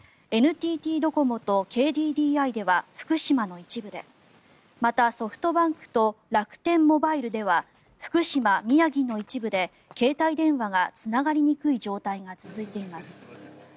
ＮＴＴドコモとＫＤＤＩでは福島の一部でまた、ソフトバンクと楽天モバイルでは福島、宮城の一部で携帯電話がつながりにくい状態が続いています。